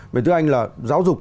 mình thưa anh là giáo dục